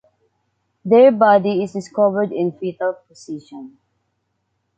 Their body is discovered in fetal position.